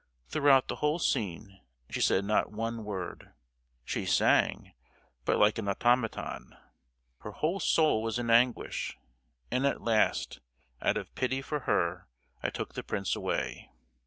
Throughout the whole scene she said not one word. She sang, but like an automaton! Her whole soul was in anguish, and at last, out of pity for her, I took the prince away.